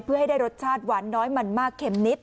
เพื่อให้ได้รสชาติหวานน้อยมันมากเค็มนิด